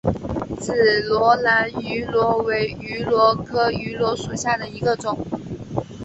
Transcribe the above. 紫萝兰芋螺为芋螺科芋螺属下的一个种。